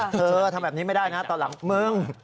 เธอทำแบบนี้ไม่ได้นะตอนหลังมึง